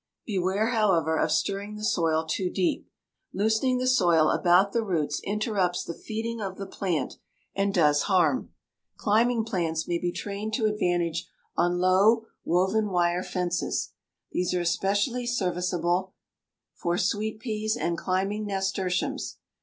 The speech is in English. Beware, however, of stirring the soil too deep. Loosening the soil about the roots interrupts the feeding of the plant and does harm. Climbing plants may be trained to advantage on low woven wire fences. These are especially serviceable for sweet peas and climbing nasturtiums.